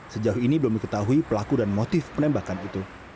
sejauh ini belum diketahui pelaku dan motif penembakan itu